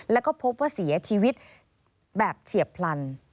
แล้วก็พบว่าเสียชีวิตแบบเฉียบพลัน